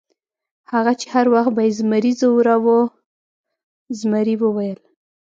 هغه چې هر وخت به یې زمري ځوراوه، زمري وویل.